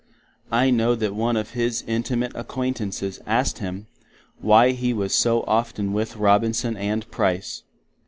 I know that one of his intimate aquaintances asked him why he was so often with Robinson and Price?